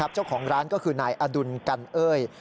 เจ้าของร้านก็คือนายอดุลกันเอ้ย